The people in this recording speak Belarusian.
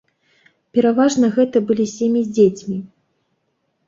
Пераважна гэта былі сем'і з дзецьмі.